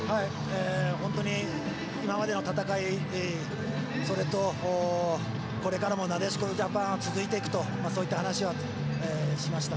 本当に今までの戦いそれと、これからもなでしこジャパンは続いていくとそういった話はしました。